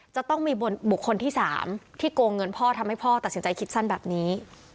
จะต้องมีบุคคลที่๓ที่โกงเงินพ่อทำให้พ่อตัดสินใจคิดสั้นแบบนี้